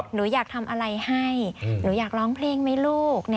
หนูอยากทำอะไรให้หนูอยากร้องเพลงไหมลูก